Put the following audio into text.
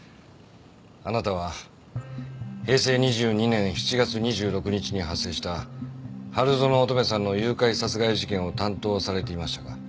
あなたは平成２２年７月２６日に発生した春薗乙女さんの誘拐殺害事件を担当されていましたか？